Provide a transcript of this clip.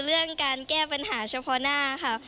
เรื่องการแก้ปัญหาเฉพาะหน้าค่ะ